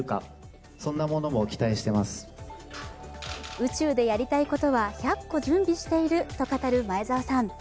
宇宙でやりたいことは１００個準備していると話す前澤さん。